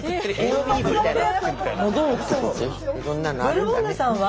ブルボンヌさんは？